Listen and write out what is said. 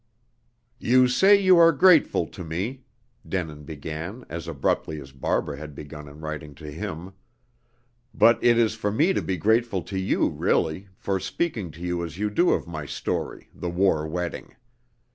"You say you are grateful to me," Denin began as abruptly as Barbara had begun in writing to him, "but it is for me to be grateful to you really, for speaking as you do of my story, 'The War Wedding.'